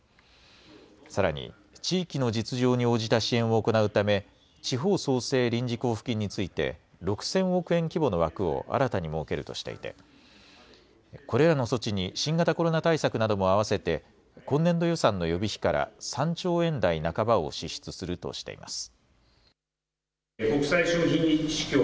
さらに、地域の実情に応じた支援を行うため、地方創生臨時交付金について、６０００億円規模の枠を新たに設けるとしていて、これらの措置に新型コロナ対策なども合わせて今年度予算の予備費から３兆円台半ばを支出するとしています。